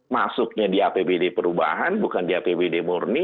masuknya di apbd perubahan bukan di apbd murni